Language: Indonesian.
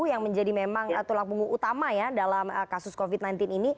yang menjadi memang tulang punggung utama ya dalam kasus covid sembilan belas ini